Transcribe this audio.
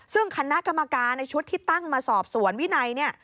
ซึ่งคณะกรรมการในชุดที่ตั้งมาสอบสวนวินัยเนี่ย